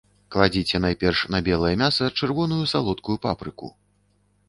Кладзіце найперш на белае мяса чырвоную салодкую папрыку.